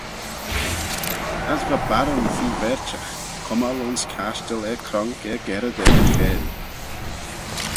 As va barron feer verçhagh, cummal ayns cashtal er cronk er gerrey da'n cheyll.